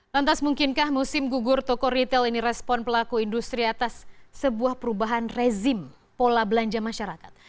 lantas mungkinkah musim gugur toko retail ini respon pelaku industri atas sebuah perubahan rezim pola belanja masyarakat